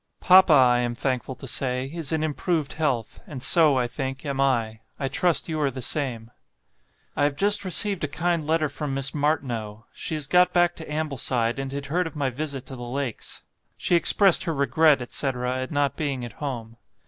Papa, I am thankful to say, is in improved health, and so, I think, am I; I trust you are the same. "I have just received a kind letter from Miss Martineau. She has got back to Ambleside, and had heard of my visit to the Lakes. She expressed her regret, etc., at not being at home.